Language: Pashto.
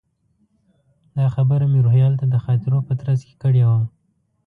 دا خبره مې روهیال ته د خاطرو په ترڅ کې کړې وه.